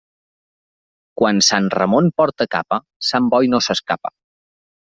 Quan sant Ramon porta capa, sant Boi no s'escapa.